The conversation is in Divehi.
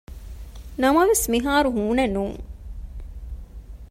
ނަމަވެސް މިހާރު ހޫނެއް ނޫން